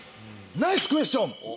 ナイスクエスチョン！